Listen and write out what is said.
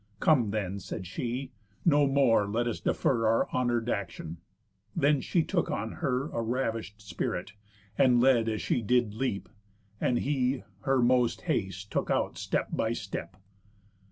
"Come then," said she, "no more let us defer Our honour'd action." Then she took on her A ravish'd spirit, and led as she did leap; And he her most haste took out step by step.